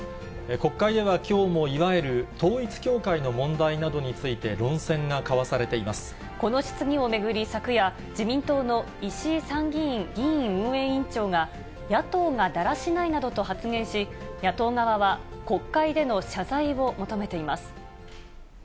国会ではきょうもいわゆる統一教会の問題などについて、論戦が交この質疑を巡り、昨夜、自民党の石井参議院議院運営委員長が、野党がだらしないなどと発言し、野党側は国会での謝罪を求めています。